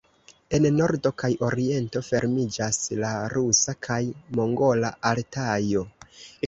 En nordo kaj oriento fermiĝas la rusa kaj mongola Altajo.